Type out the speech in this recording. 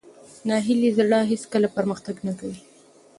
ناهیلي زړه هېڅکله پرمختګ نه کوي.